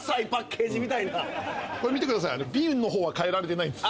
これ見てください瓶の方は変えられてないんです。